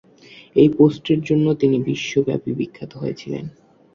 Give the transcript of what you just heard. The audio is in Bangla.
এই পোস্টের জন্য তিনি বিশ্বব্যাপী বিখ্যাত হয়েছিলেন।